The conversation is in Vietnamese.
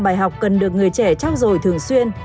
bài học cần được người trẻ trao dồi thường xuyên